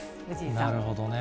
なるほどね。